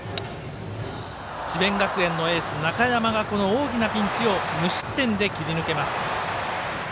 智弁学園のエース、中山が大きなピンチを無失点で切り抜けます。